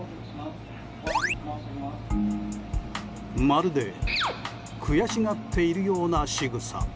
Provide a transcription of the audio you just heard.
まるで悔しがっているようなしぐさ。